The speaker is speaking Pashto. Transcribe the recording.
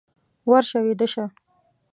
ورشه ويده شه!